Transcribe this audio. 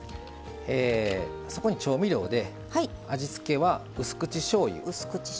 そこに調味料で味付けはうす口しょうゆ